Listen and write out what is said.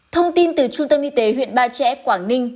thông tin từ trung tâm y tế huyện ba trẻ quảng ninh